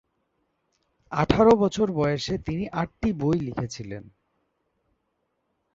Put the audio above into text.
আঠারো বছর বয়সে তিনি আটটি বই লিখেছিলেন।